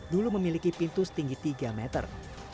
dulu memiliki pintu setinggi tiga meter